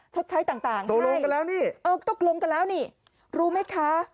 ชดใช้ต่างตกลงกันแล้วนี่เออตกลงกันแล้วนี่รู้ไหมคะ